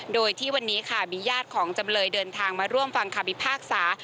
โดยที่วันนี้ค่ะมีญาติของจำเลยเดินทางมาร่วมฟังคำพิพากษา